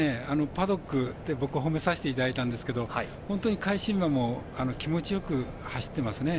パドックで褒めさせていただいたんですけど本当に返し馬も気持ちよく走っていますね。